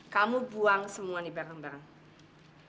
kamu buang semua nih barang barang